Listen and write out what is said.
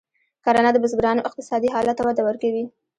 کرنه د بزګرانو اقتصادي حالت ته وده ورکوي.